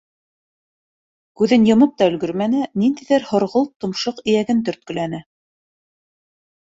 Күҙен йомоп та өлгөрмәне, ниндәйҙер һорғолт томшоҡ эйәген төрткөләне.